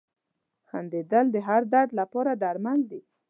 • خندېدل د هر درد لپاره درمل دي.